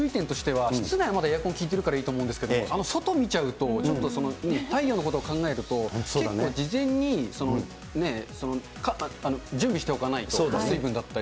ただちょっと、注意点としては、室内はまだエアコン効いてるからいいと思うんですけど、外見ちゃうと、ちょっと太陽のことを考えると、結構事前に準備しておかないと、水分だったり。